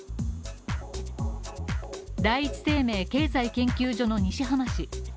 第一生命経済研究所の西濱氏